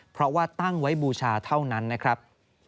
เพราะว่าตั้งไว้บูชาเท่านั้นนะครับ